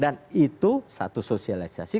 dan itu satu sosialisasi